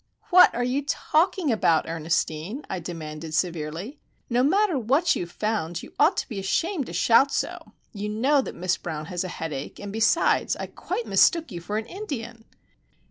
"What are you talking about, Ernestine?" I demanded, severely. "No matter what you have found, you ought to be ashamed to shout so! You know that Miss Brown has a headache, and besides I quite mistook you for an Indian!"